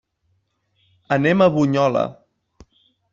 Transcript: Anem a Bunyola.